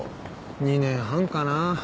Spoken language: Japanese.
２年半かな。